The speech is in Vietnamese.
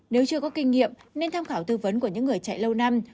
nếu chưa có kinh nghiệm nên tham khảo tư vấn của những người chạy lâu năm